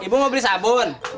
ibu mau beli sabun